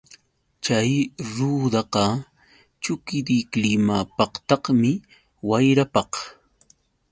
Chay rudaqa chukidiklimapaqtaqmi, wayrapaq.